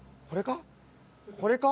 これか？